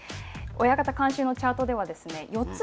親方監修のチャートでは四つ